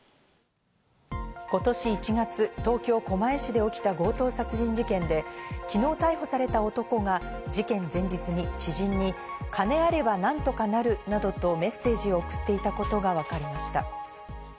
今年１月、東京・狛江市で起きた強盗殺人事件で、昨日、逮捕された男が事件前日に知人に、「金あれば何とかなる」などとメッセージを送っていたことがわかりました。